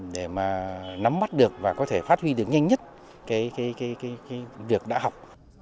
để mà nắm mắt được và có thể phát huy được nhanh nhất cái việc đã học